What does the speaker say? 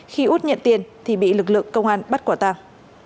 khi út nhận tiền thì bị lực lượng công an bắt quả tàng